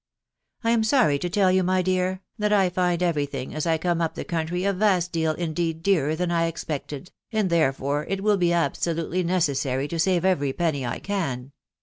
I am sorry to tell you, my dear, that I find every thing as I come up the country a vast deal indeed dearer than I expected, and therefore it will be absolutely necessary to save every penny I can.